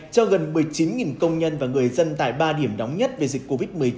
cho gần một mươi chín công nhân và người dân tại ba điểm nóng nhất về dịch covid một mươi chín